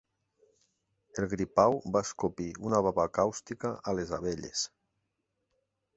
El gripau va escopir una baba càustica a les abelles.